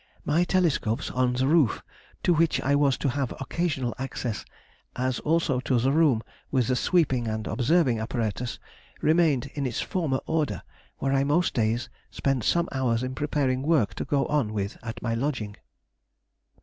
My telescopes on the roof, to which I was to have occasional access, as also to the room with the sweeping and observing apparatus, remained in its former order, where I most days spent some hours in preparing work to go on with at my lodging."